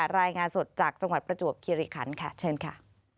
รายงานสดจากจังหวัดประจวบคิริคันค่ะเชิญค่ะ